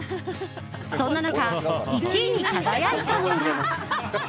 そんな中、１位に輝いたのが。